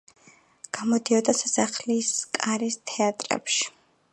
გამოდიოდა სასახლის კარის თეატრებში.